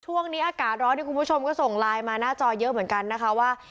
ช่วงนี้อากาศร้อนที่คุณผู้ชมก็ส่งไลน์มาหน้าจอเยอะเหมือนกันนะคะว่า